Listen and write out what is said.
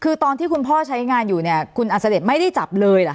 คือตอนที่คุณพ่อใช้งานอยู่คุณอาศระเด็นไม่ได้จับเลยหรอคะ